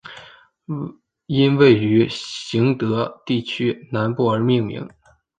因位于行德地区南部而命名。